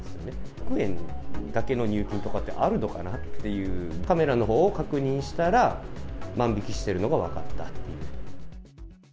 １００円だけの入金とかってあるのかなっていう、カメラのほうを確認したら、万引きしてるのが分かったっていう。